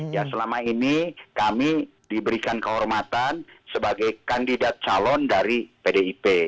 ya selama ini kami diberikan kehormatan sebagai kandidat calon dari pdip